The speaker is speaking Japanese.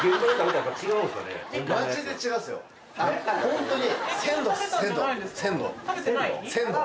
ホントに！